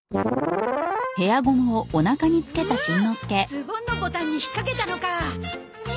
ズボンのボタンに引っかけたのか。